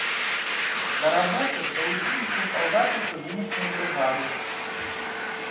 Да рабочых далучыліся салдаты чыгуначнай брыгады.